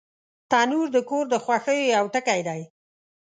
تنور د کور د خوښیو یو ټکی دی